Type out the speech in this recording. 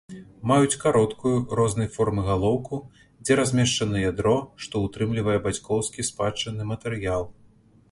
Маюць кароткую, рознай формы галоўку, дзе размешчана ядро, што ўтрымлівае бацькоўскі спадчынны матэрыял.